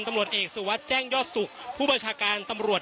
ตำรวดเอกสุวัตแจ้งยอดสุคผู้บรชาการตำรวด